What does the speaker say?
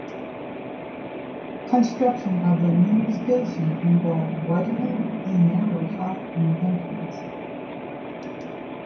Construction of the new station involved widening a narrow, high embankment.